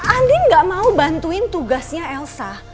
andin gak mau bantuin tugasnya elsa